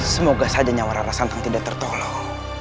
semoga saja nyawara rasantan tidak tertolong